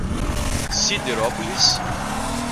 Siderópolis